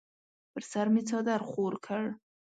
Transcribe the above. پر سر مې څادر خور کړ.